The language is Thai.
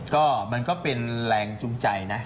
ก็มันก็เป็นแรงจูงใจนะ